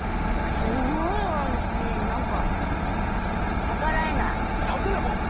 すごいおいしいなんか逆らえない逆らえ